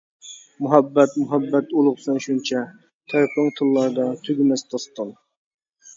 مۇھەببەت مۇھەببەت ئۇلۇغ سەن شۇنچە، تەرىپىڭ تىللاردا تۈگىمەس داستان.